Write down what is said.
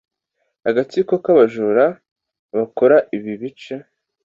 Agatsiko k'abajura bakora ibi bice.